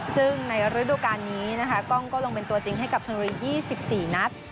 ซึ่งในฤดูการนี้นะคะกล้องก็ลงเป็นตัวจริงให้กับชนบุรี๒๔นัด